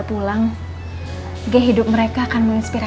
maaf yuh pukang kusoi